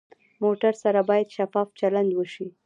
موټر سره باید شفاف چلند وشي.